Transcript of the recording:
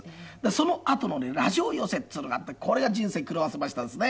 そのあとのねラジオ寄席っていうのがあってこれが人生狂わせましたですね。